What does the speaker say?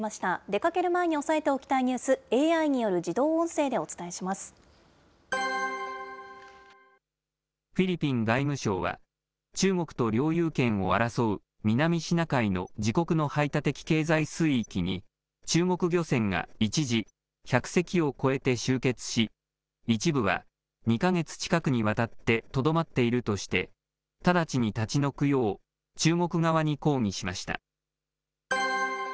出かける前に押さえておきたいニュース、ＡＩによる自動音声でおフィリピン外務省は、中国と領有権を争う南シナ海の自国の排他的経済水域に、中国漁船が一時、１００隻を超えて集結し、一部は２か月近くにわたってとどまっているとして、直ちに立ち退くよう、中国側に抗議しました。